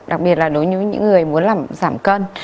đặc biệt là đối với những người muốn làm giảm cân